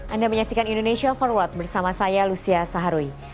anda menyaksikan indonesia forward bersama saya lucia saharuy